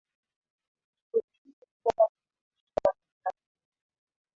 ni kudhibiti fedha zinazoishia katika mikono